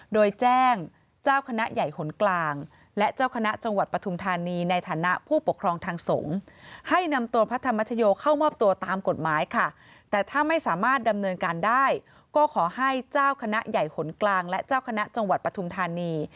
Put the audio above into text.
โดยแจ้งเจ้าคณะใหญ่หนกลางและเจ้าคณะจังหวัดปทุมธานี